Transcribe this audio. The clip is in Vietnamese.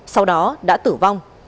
sau đó đã tử vong